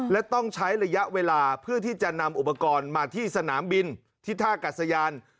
และต้องใช้ระยะเวลาเพื่อที่จะนำอุปกรณ์มาที่สนามบินที่ท่ากัดสยาน